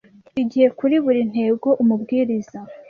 igihe kuri buri ntego. Umubwiriza